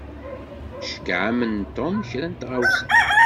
Iceyyeɛ-am-n Tom kra n tɣawsa.